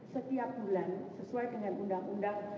setiap bulan sesuai dengan undang undang